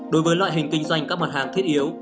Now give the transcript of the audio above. đối với loại hình kinh doanh các mặt hàng thiết yếu